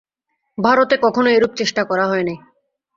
ভারতে কখনও এরূপ চেষ্টা করা হয় নাই।